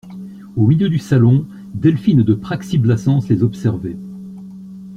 Au milieu du salon, Delphine de Praxi-Blassans les observait.